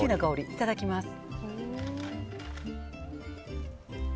いただきます。